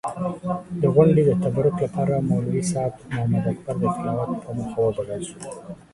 د غونډې د تبرک لپاره مولوي صېب محمداکبر د تلاوت پۀ موخه وبلل شو.